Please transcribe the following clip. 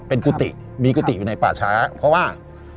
เป็นกุฏิมีกุฏิอยู่ในป่าช้าเพราะว่า